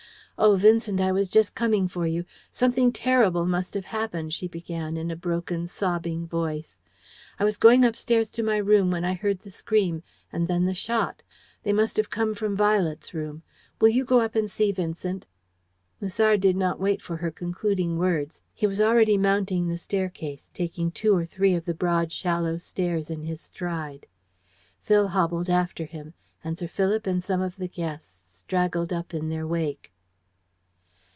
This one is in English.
"Oh, Vincent, I was just coming for you something terrible must have happened!" she began, in a broken, sobbing voice. "I was going upstairs to my room, when I heard the scream, and then the shot. They must have come from Violet's room. Will you go up and see, Vincent?" Musard did not wait for her concluding words. He was already mounting the staircase, taking two or three of the broad shallow stairs in his stride. Phil hobbled after him, and Sir Philip and some of the guests straggled up in their wake.